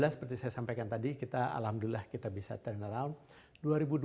dua ribu sembilan belas seperti saya sampaikan tadi kita alhamdulillah kita bisa turn around